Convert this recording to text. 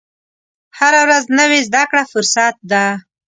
هره ورځ نوې زده کړه فرصت ده.